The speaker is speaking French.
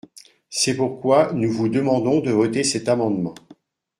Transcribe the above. C’est pourquoi nous vous demandons de voter cet amendement.